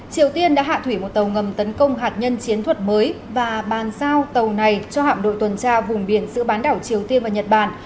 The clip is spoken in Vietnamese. triều tiên đã hạ thủy một tàu ngầm tấn công hạt nhân chiến thuật mới và bàn giao tàu này cho hạm đội tuần tra vùng biển giữa bán đảo triều tiên và nhật bản